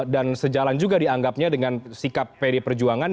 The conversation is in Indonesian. dan sejalan juga dianggapnya dengan sikap pdi perjuangan